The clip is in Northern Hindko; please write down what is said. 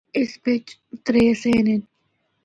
اس بچ ترّے صحن ہن۔